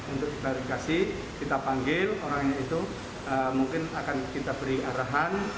untuk diklarifikasi kita panggil orangnya itu mungkin akan kita beri arahan